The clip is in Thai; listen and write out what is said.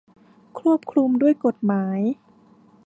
ควบคุมด้วยกฎหมาย